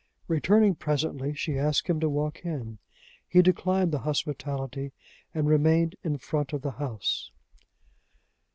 Returning presently, she asked him to walk in. He declined the hospitality, and remained in front of the house.